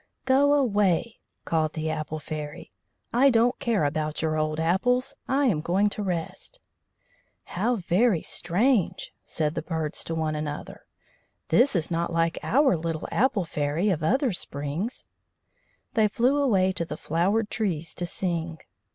"Go away," called the Apple Fairy. "I don't care about your old apples; I am going to rest." "How very strange!" said the birds to one another. "This is not like our little Apple Fairy of other springs." They flew away to the flowered trees to sing.